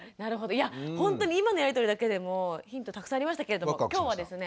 いやほんとに今のやり取りだけでもヒントたくさんありましたけれども今日はですね